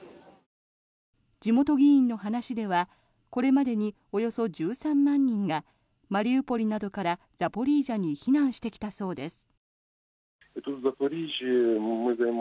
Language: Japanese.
地元議員の話ではこれまでにおよそ１３万人がマリウポリなどからザポリージャに避難してきたそうです。